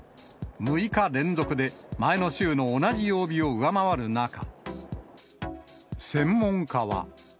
６日連続で、前の週の同じ曜日を上回る中、専門家は。